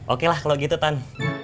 oke lah kalau gitu tan